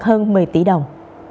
hơn một mươi tỷ đồng